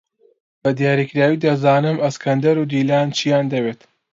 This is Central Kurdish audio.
بەدیاریکراوی دەزانم ئەسکەندەر و دیلان چییان دەوێت.